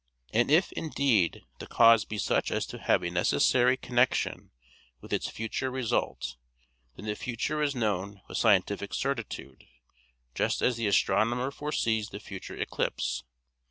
And if, indeed, the cause be such as to have a necessary connection with its future result, then the future is known with scientific certitude, just as the astronomer foresees the future eclipse.